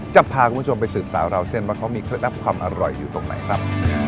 จะพาคุณผู้ชมไปสืบสาวราวเส้นว่าเขามีเคล็ดลับความอร่อยอยู่ตรงไหนครับ